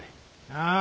ああ！？